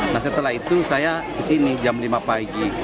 nah setelah itu saya kesini jam lima pagi